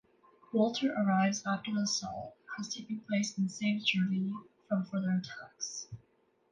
Walter arrives after the assault has taken place and saves Jerilee from further attacks.